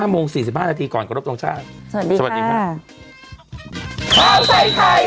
๕โมง๔๕นาทีก่อนกระทบตรงชาติ